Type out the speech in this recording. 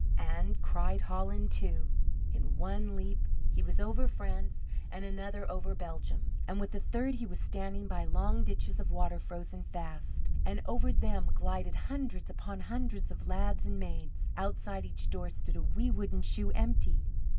and cried "Holland!" too. In one leap he was over France, and another over Belgium; and with the third he was standing by long ditches of water frozen fast, and over them glided hundreds upon hundreds of lads and maids. Outside each door stood a wee wooden shoe empty.